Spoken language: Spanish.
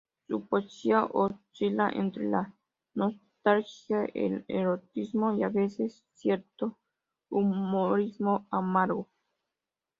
Su poesía oscila entre la nostalgia, el erotismo y, a veces, cierto humorismo amargo.